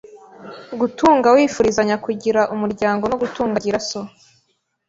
gutunga wifurizanya kugira umuryango no gutunga Gira so,